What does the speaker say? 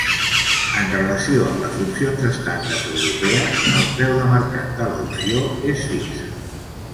En relació amb les opcions estàndard europees, el preu de mercat de la opció és fixe.